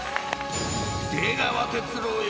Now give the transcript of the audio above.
［出川哲朗よ